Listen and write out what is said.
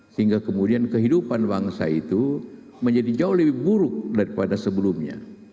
sehingga kemudian kehidupan bangsa itu menjadi jauh lebih buruk daripada sebelumnya